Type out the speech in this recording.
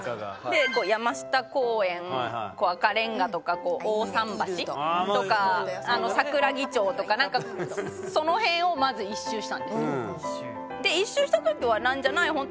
で山下公園赤レンガとか大さん橋とか桜木町とかなんかその辺をまず１周したんですよ。